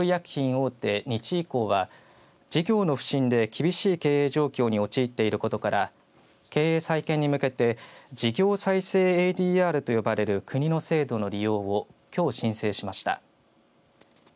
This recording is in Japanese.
大手日医工は事業の不振で厳しい経営状況に陥っていることから経営再建に向けて事業再生ＡＤＲと呼ばれる国の制度の利用をきょう申請しました。